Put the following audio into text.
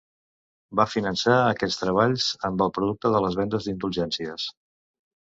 Va finançar aquests treballs amb el producte de les vendes d'indulgències.